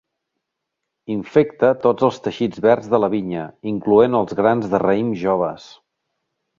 Infecta tots els teixits verds de la vinya incloent els grans de raïm joves.